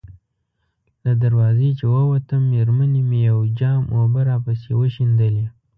له دروازې چې ووتم، مېرمنې مې یو جام اوبه راپسې وشیندلې.